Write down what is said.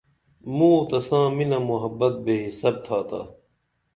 موں او تساں مِنہ محبت بے حساب تھاتا